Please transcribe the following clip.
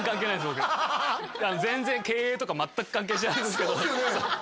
僕全然経営とか全く関係してないんですけどそうですよね